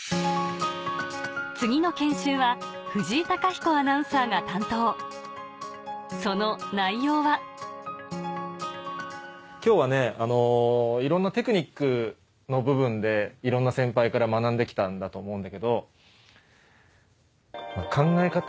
次の研修は藤井貴彦アナウンサーが担当その内容は今日はねいろんなテクニックの部分でいろんな先輩から学んで来たんだと思うんだけど考え方